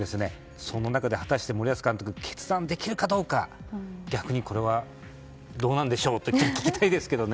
その中で果たして、森保監督は決断できるかどうか逆にこれはどうなんでしょうってちょっと聞きたいですよね。